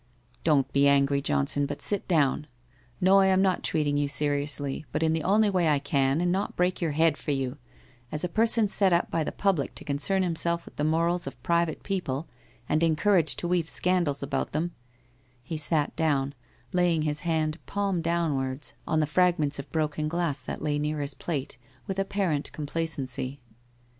' 'Don't be angry, Johnson, but sit down. No, I am not treating you seriously, but in the only way I can and not break your head for you — as a person set up by the public to concern himself with the morals of private people, and encouraged to weave scandals about them ' He sat down, laying his hand palm downwards on the fragments 150 WHITE ROSE OF WEARY LEAF of broken glass that lay near his plate, with apparent com placency.